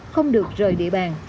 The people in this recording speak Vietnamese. không được rời địa bàn